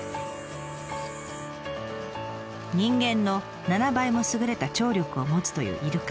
人間の７倍も優れた聴力を持つというイルカ。